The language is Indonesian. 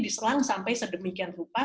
diselang sampai sedemikian rupa